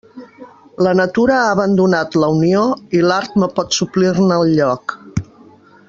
La natura ha abandonat la unió, i l'art no pot suplir-ne el lloc.